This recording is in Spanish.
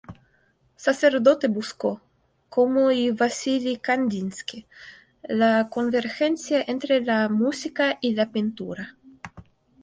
Sacerdote buscó ―como y Vasili Kandinsky― la convergencia entre la música y la pintura.